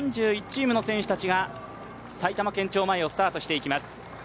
３１チームの選手たちが埼玉県庁前をスタートしていきます。